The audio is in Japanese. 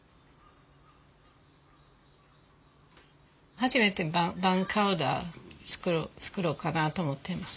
初めてバーニャカウダ作ろうかなと思ってます。